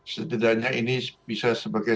setidaknya ini bisa sebagai